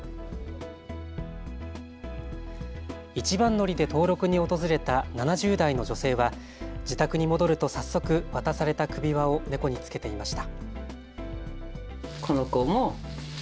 一番乗りで登録に訪れた７０代の女性は自宅に戻ると早速渡された首輪をネコにつけていました。